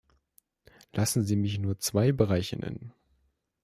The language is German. Lassen Sie mich nur zwei Bereiche nennen.